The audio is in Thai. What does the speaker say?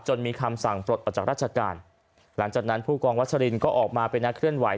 มีคำสั่งปลดออกจากราชการหลังจากนั้นผู้กองวัชรินก็ออกมาเป็นนักเคลื่อนไหว